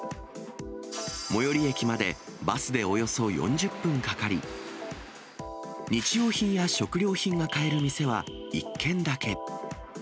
最寄り駅までバスでおよそ４０分かかり、日用品や食料品が買える店は１軒だけ。